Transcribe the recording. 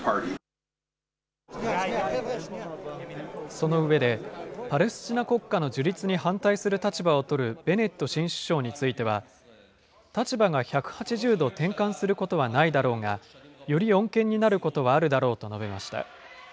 その上で、パレスチナ国家の樹立に反対する立場を取るベネット新首相については、立場が１８０度転換することはないだろうが、より穏健になることはあるだろうと述べました。